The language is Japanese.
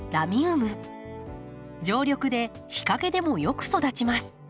常緑で日かげでもよく育ちます。